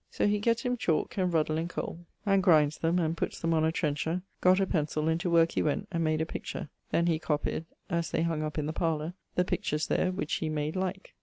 So he getts him chalke, and ruddle, and coale, and grinds them, and putts them on a trencher, gott a pencill, and to worke he went, and made a picture: then he copied (as they hung up in the parlour) the pictures there, which he made like.